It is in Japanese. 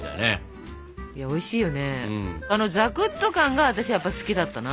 あのざくっと感が私やっぱり好きだったな。